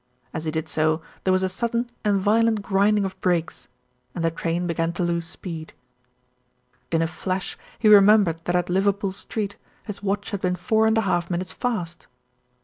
As he did so, there was a sudden and violent grinding of brakes, and the train began to lose speed. In a flash he remembered that at Liverpool Street his watch had been four and a half minutes fast.